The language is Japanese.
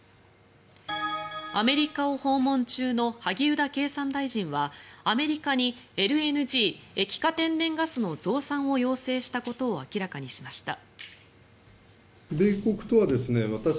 アメリカを訪問中の萩生田経産大臣はアメリカにＬＮＧ・液化天然ガスの増産を要請したことを明らかにしました。